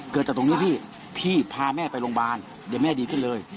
เกิดจากตรงนี้พี่พี่พาแม่ไปโรงพยาบาลเดี๋ยวแม่ดีขึ้นเลย